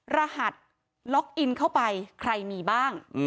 รหัสล็อกอินเข้าไปใครมีบ้าง